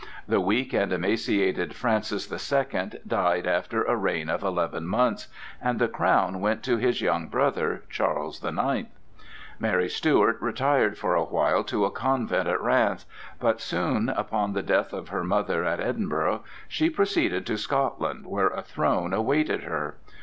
The weak and emaciated Francis the Second died after a reign of eleven months, and the crown went to his young brother, Charles the Ninth. Mary Stuart retired for a while to a convent at Rheims, but soon, upon the death of her mother at Edinburgh, she proceeded to Scotland, where a throne awaited her.